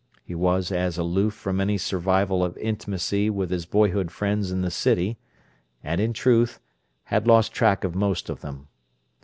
He was as aloof from any survival of intimacy with his boyhood friends in the city, and, in truth, had lost track of most of them.